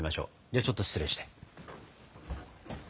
ではちょっと失礼して。